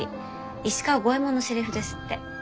石川五右衛門のセリフですって。